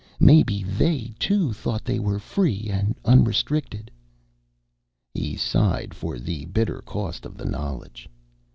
Maybe they, too, thought they were free and unrestricted!" He sighed for the bitter cost of knowledge.